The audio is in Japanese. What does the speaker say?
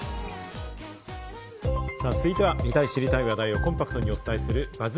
続いては見たい知りたい話題をコンパクトにお伝えするＢＵＺＺ